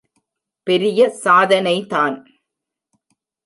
பெரிய சாதனை தான்!